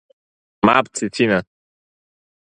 Мап, Цицина!